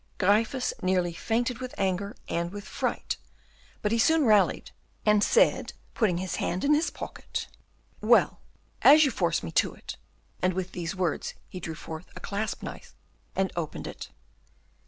Gryphus nearly fainted with anger and with fright, but he soon rallied, and said, putting his hand in his pocket, "Well, as you force me to it," and with these words he drew forth a clasp knife and opened it.